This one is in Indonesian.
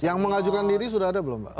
yang mengajukan diri sudah ada belum pak